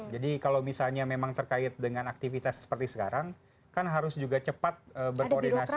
jadi kalau misalnya memang terkait dengan aktivitas seperti sekarang kan harus juga cepat berkoordinasi